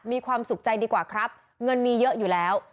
มีความสุขใจดีกว่าครับเงินมีเยอะอยู่แล้ว